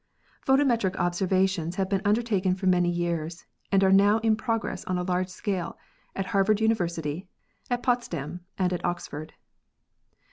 Photometric observations have been undertaken for many years and are now in progress on a large scale at Harvard University, at Potsdam and at Oxford.